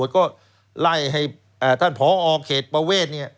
ก็ไม่ได้ขอตัว